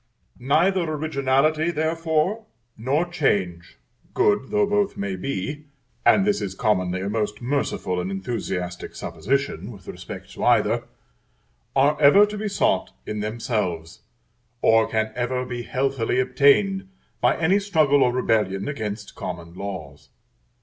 Neither originality, therefore, nor change, good though both may be, and this is commonly a most merciful and enthusiastic supposition with respect to either, are ever to be sought in themselves, or can ever be healthily obtained by any struggle or rebellion against common laws.